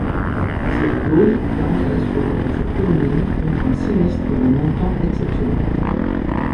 Cette clause permet à l'assureur de se prémunir contre un sinistre d'un montant exceptionnel.